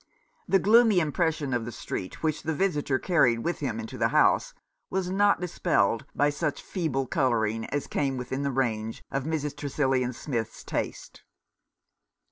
The gloomy impression of the street which the visitor carried with him into the house was not dispelled by such feeble colouring as came within the range of Mrs. Tresillian Smith's taste.